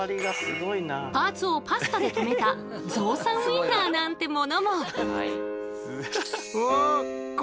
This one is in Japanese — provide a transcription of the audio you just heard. パーツをパスタで留めたゾウさんウインナーなんてものも。